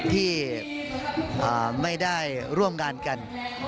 ที่ไม่ได้ร่วมงานกัน